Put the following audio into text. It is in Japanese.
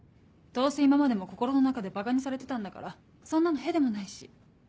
どうせ今までも心の中でばかにされてたんだからそんなの屁でもないし。